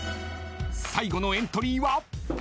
［最後のエントリーは］